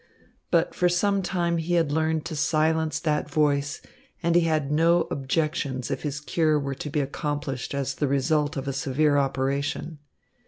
But for some time he had learned to silence that voice, and he had no objections if his cure were to be accomplished as the result of a severe operation.